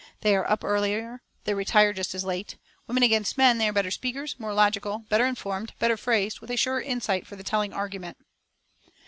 They are up earlier, they retire just as late. Women against men, they are better speakers, more logical, better informed, better phrased, with a surer insight for the telling argument."